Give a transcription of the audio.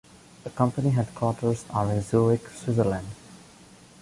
The company headquarters are in Zurich Switzerland.